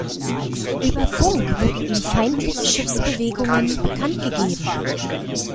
Über Funk wurden ihm feindliche Schiffsbewegungen bekanntgegeben.